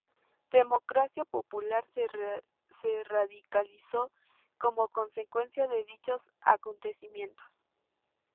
Democracia Popular se radicalizó como consecuencia de dichos acontecimientos.